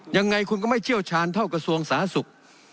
ยังไงคุณก็ไม่เชี่ยวชาญเท่ากระทรวงสาธารณสุข